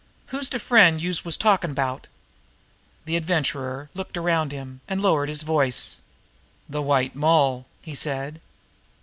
Who's de friend youse was talkin' about?" The Adventurer looked around him, and lowered his voice. "The White Moll," he said.